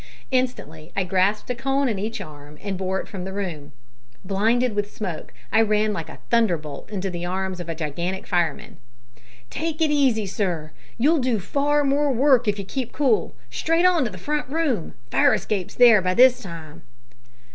Instantly I grasped a cone in each arm and bore it from the room. Blinded with smoke, I ran like a thunderbolt into the arms of a gigantic fireman. "Take it easy, sir. You'll do far more work if you keep cool. Straight on to front room! Fire escape's there by this time."